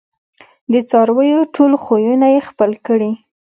د څارویو ټول خویونه یې خپل کړي